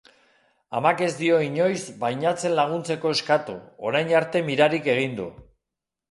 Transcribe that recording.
Amak ez dio inoiz bainatzen laguntzeko eskatu, orain arte Mirarik egin du.